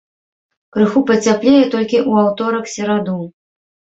Крыху пацяплее толькі ў аўторак-сераду.